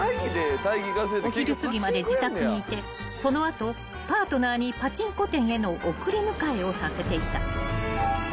［お昼すぎまで自宅にいてその後パートナーにパチンコ店への送り迎えをさせていた］